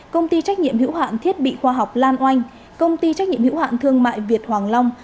công ty trách nhiệm hữu hạn thiết bị khoa học lan oanh công ty trách nhiệm hữu hạn thương mại việt hoàng long